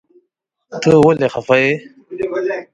ته ولی خپه یی ؟